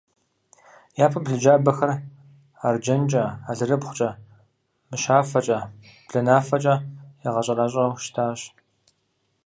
Япэм блынджабэхэр арджэнкӏэ, алэрыбгъукӏэ, мыщафэкӏэ, бланафэкӏэ ягъэщӏэращӏэу щытащ.